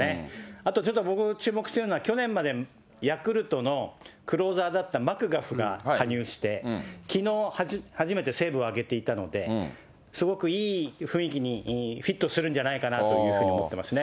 あとちょっと僕、注目してるのは去年までヤクルトのクローザーだったマクガフが加入して、きのう初めてセーブを挙げていたので、すごくいい雰囲気にフィットするんじゃないかなと思ってますね。